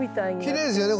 きれいですよね